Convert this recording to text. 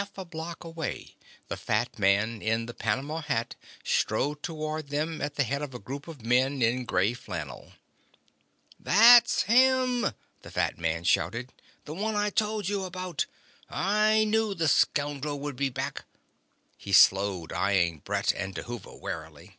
Half a block away the fat man in the panama hat strode toward them at the head of a group of men in grey flannel. "That's him!" the fat man shouted, "the one I told you about. I knew the scoundrel would be back!" He slowed, eyeing Brett and Dhuva warily.